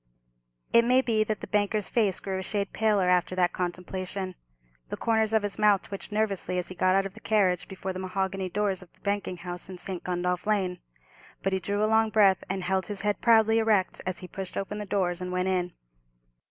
It may be that the banker's face grew a shade paler after that contemplation. The corners of his mouth twitched nervously as he got out of the carriage before the mahogany doors of the banking house in St. Gundolph Lane. But he drew a long breath, and held his head proudly erect as he pushed open the doors and went in.